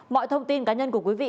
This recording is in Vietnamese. mọi thông tin cá nhân của quý vị